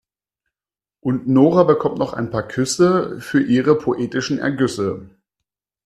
Und Nora bekommt noch ein paar Küsse für ihre poetischen Ergüsse.